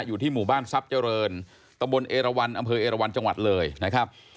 อยู่ที่หมู่บ้านทรัพย์เจริญตะบนเอราวันอำเภอเอราวันจังหวัดเลยนะครับ